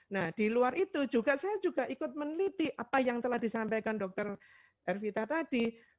nah di luar itu saya juga ikut meneliti apa yang telah disampaikan dokter ervita tadi